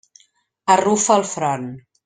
Arrufa el front.